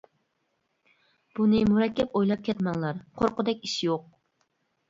بۇنى مۇرەككەپ ئويلاپ كەتمەڭلار. قورققۇدەك ئىش يوق.